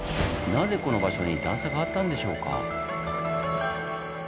なぜこの場所に段差があったんでしょうか？